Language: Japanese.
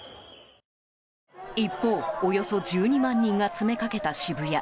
一方、およそ１２万人が詰めかけた渋谷。